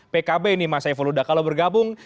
pkb ini mas saiful huda kalau bergabung